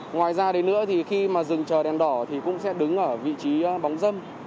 ngoài ra đến nữa thì khi mà dừng chờ đèn đỏ thì cũng sẽ đứng ở vị trí bóng dâm